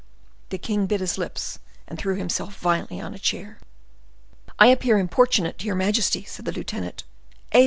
The king bit his lips, and threw himself violently on a chair. "I appear importunate to your majesty," said the lieutenant. "Eh!